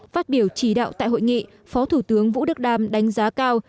phát biểu chỉ đạo tại hội nghị phó thủ tướng vũ đức đam đánh giá cao